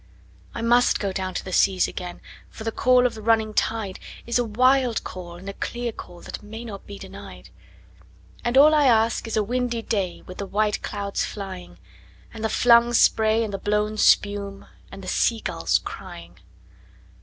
I must down go to the seas again, for the call of the running tide Is a wild call and a clear call that may not be denied; And all I ask is a windy day with the white clouds flying, And the flung spray and the blown spume, and the sea gulls crying.